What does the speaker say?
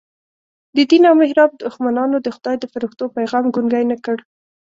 د دین او محراب دښمنانو د خدای د فرښتو پیغام ګونګی نه کړ.